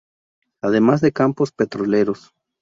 Además de campos petroleros.